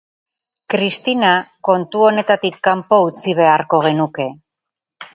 Kristina kontu honetatik kanpo utzi beharko genuke.